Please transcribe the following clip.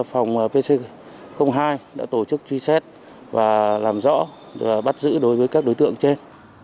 phòng pc hai đã tổ chức truy xét và làm rõ và bắt giữ đối với các đối tượng trên